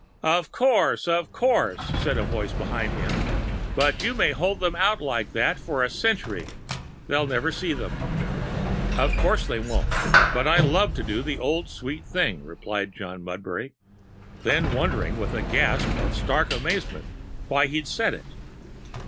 "Of course, of course," said a voice behind him, "but you may hold them out like that for a century. They'll never see them!" "Of course they won't. But I love to do the old, sweet thing," replied John Mudbury then wondered with a gasp of stark amazement why he said it.